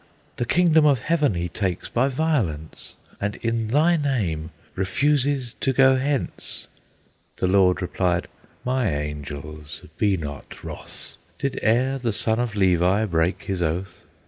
The kingdom of Heaven he takes by violence, And in Thy name refuses to go hence!" The Lord replied, "My Angels, be not wroth; Did e'er the son of Levi break his oath?